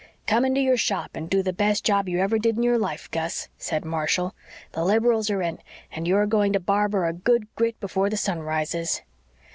"Come into your shop and do the best job you ever did in your life, Gus,' said Marshall. 'The Liberals are in and you're going to barber a good Grit before the sun rises.'